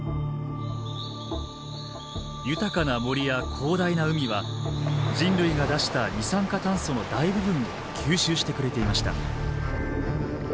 豊かな森や広大な海は人類が出した二酸化炭素の大部分を吸収してくれていました。